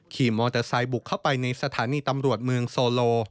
ขี่มอเตอร์ไซค์บุกเข้าไปในสถานีตำรวจเมืองโซโล